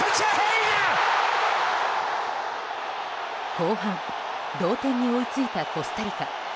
後半、同点に追いついたコスタリカ。